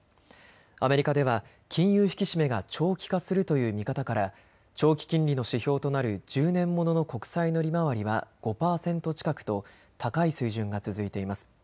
アメリカでは金融引き締めが長期化するという見方から長期金利の指標となる１０年ものの国債の利回りは５％近くと高い水準が続いています。